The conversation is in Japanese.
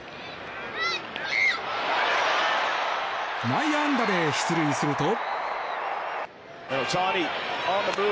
内野安打で出塁すると。